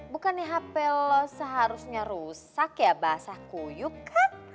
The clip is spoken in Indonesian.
bukannya hp lo seharusnya rusak ya basah kuyuk kan